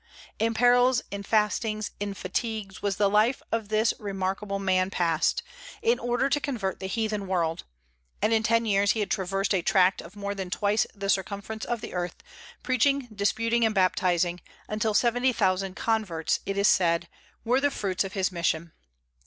In perils, in fastings, in fatigues, was the life of this remarkable man passed, in order to convert the heathen world; and in ten years he had traversed a tract of more than twice the circumference of the earth, preaching, disputing, and baptizing, until seventy thousand converts, it is said, were the fruits of his mission.